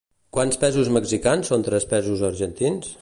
Quants pesos mexicans són tres pesos argentins?